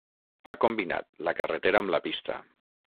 Ha combinat la carretera amb la pista.